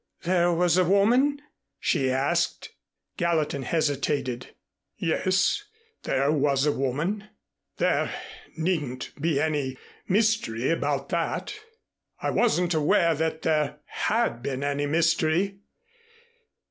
"There was a woman?" she asked. Gallatin hesitated. "Yes, there was a woman. There needn't be any mystery about that. I wasn't aware that there had been any mystery.